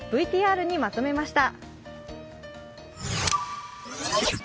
ＶＴＲにまとめました。